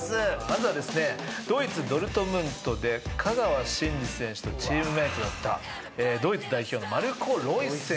まずはですねドイツドルトムントで香川真司選手とチームメートだったドイツ代表のマルコ・ロイス選手ですね。